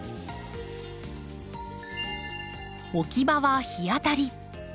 置き場は日当たり。